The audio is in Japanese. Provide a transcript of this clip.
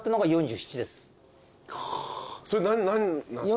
それ何なんすか？